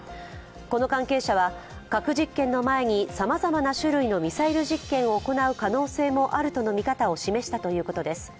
この関係者は、核実験の前にさまざまな種類のミサイル実験を行う可能性もあるとの見方を示したということです。